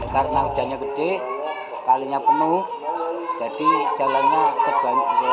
karena hujannya gede kalinya penuh jadi jalannya terbanyak